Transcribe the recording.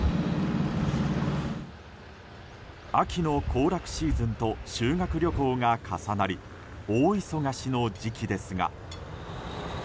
秋の行楽シーズンと修学旅行が重なり大忙しの時期ですが。